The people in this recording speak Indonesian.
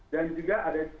dan juga ada